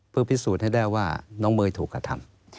เพื่อพิสูจน์ให้ได้ว่าน้องเมย์ถูกกระทำ